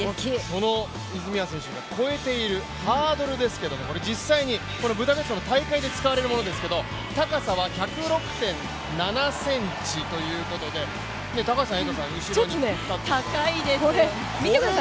その泉谷選手が越えているハードルですけれども、実際にブダペストの大会で使われるものですけど高さは１０６．７ｃｍということで、後ろに立ってみてください。